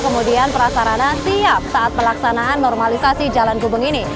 kemudian prasarana siap saat pelaksanaan normalisasi jalan gubeng ini